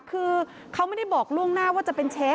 คือเขาไม่ได้บอกล่วงหน้าว่าจะเป็นเชฟ